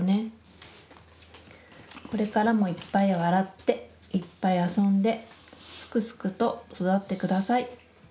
これからもいっぱい笑っていっぱい遊んですくすくと育ってください。